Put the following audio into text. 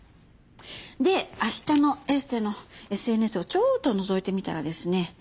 で明日のエステのＳＮＳをちょっとのぞいてみたらですね